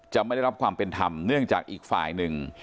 ไม่ได้รับความเป็นธรรมเนื่องจากอีกฝ่ายหนึ่ง